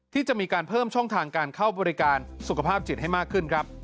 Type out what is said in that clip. ที่จะมีการเพิ่มช่องทางการเข้าบริการสุขภาพจิตให้มากขึ้นครับ